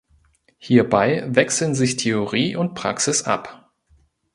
Hierbei wechseln sich Theorie und Praxis ab.